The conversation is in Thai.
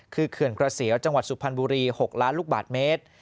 คือเขื่อนกระเสียวจังหวัดสุพรรณบุรี๖ล้านลูกบาทเมตร